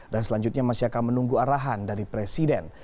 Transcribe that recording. dan selanjutnya masih akan menunggu arahan dari presiden